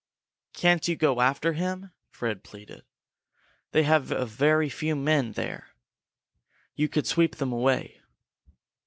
"Can't you go after him?" Fred pleaded. "They have very few men there. You could sweep them away."